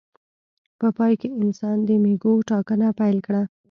په پای کې انسان د مېږو ټاکنه پیل کړه.